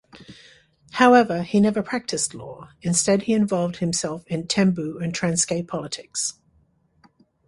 However, he never practised law, instead he involved himself in Thembu and Transkei politics.